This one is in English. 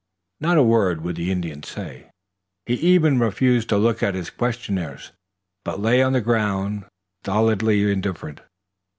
Not a word would the Indian say. He even refused to look at his questioners, but lay on the ground, stolidly indifferent.